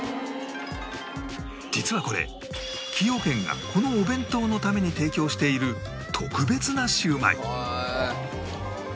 実はこれ崎陽軒がこのお弁当のために提供している特別なシウマイ